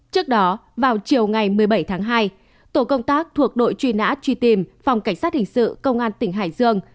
trước đó vào chiều ngày một mươi bảy tháng hai tổ công tác thuộc đội truy nã truy tìm phòng cảnh sát hình sự công an tỉnh hải dương